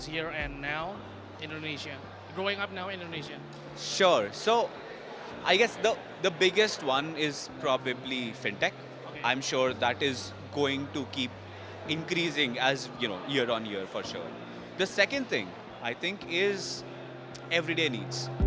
yang kedua saya pikir adalah kebutuhan setiap hari